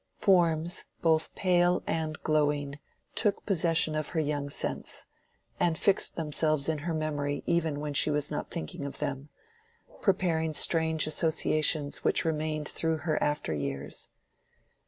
Forms both pale and glowing took possession of her young sense, and fixed themselves in her memory even when she was not thinking of them, preparing strange associations which remained through her after years.